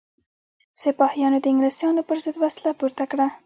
سپاهیانو د انګلیسانو پر ضد وسله پورته کړه.